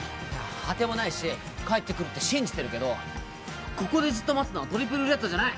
当てもないし帰ってくるって信じてるけどここでじっと待つのはトリプルレッドじゃない！